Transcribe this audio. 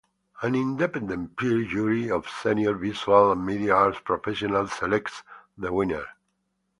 An independent peer jury of senior visual and media arts professionals selects the winners.